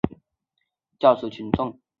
过程中有人不断教唆群众